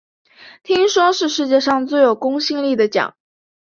听说是世界上最有公信力的奖